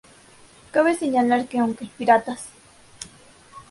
Cabe señalar que aunque "¡Piratas!